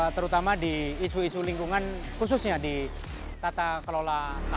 terutama di isu isu lingkungan khususnya di tata kelola